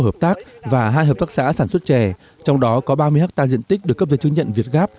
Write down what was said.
hợp tác và hai hợp tác xã sản xuất trẻ trong đó có ba mươi ha diện tích được cấp dân chứng nhận việt gáp